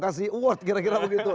kasih award kira kira begitu